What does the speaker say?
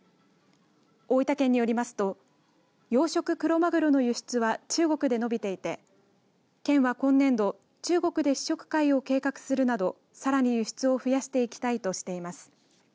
大分県によりますと養殖クロマグロの輸出は中国で伸びていて県は今年度中国で試食会を計画するなどさらに輸出を増やしていきたいとしています。